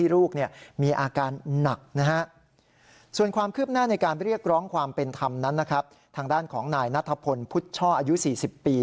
เรียกร้องความเป็นธรรมนั้นทางด้านของนายนัทธพลพุทธช่ออายุ๔๐ปี